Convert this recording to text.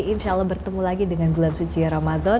insya allah bertemu lagi dengan bulan suci ramadan